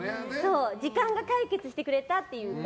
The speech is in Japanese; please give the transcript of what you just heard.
時間が解決してくれたっていうか